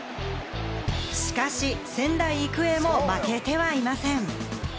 しかし、仙台育英も負けてはいません。